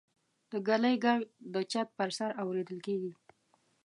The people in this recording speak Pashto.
د ږلۍ غږ د چت پر سر اورېدل کېږي.